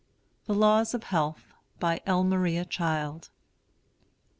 THE LAWS OF HEALTH. BY L. MARIA CHILD.